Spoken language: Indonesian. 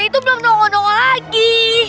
jadul vilainya luka